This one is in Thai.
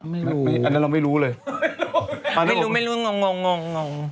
ไม่รู้อันนั้นเราไม่รู้เลยไม่รู้ไม่รู้งงงงงง